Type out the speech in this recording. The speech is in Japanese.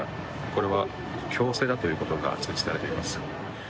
これは強制だということが通知されています。